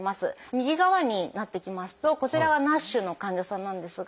右側になってきますとこちらはＮＡＳＨの患者さんなんですが。